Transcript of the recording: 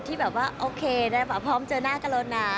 ที่แบบว่าโอเคพร้อมเจอหน้ากรณา